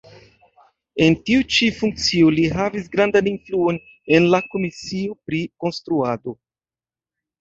En tiu ĉi funkcio li havis grandan influon en la komisio pri konstruado.